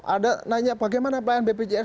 ada nanya bagaimana pln bpjs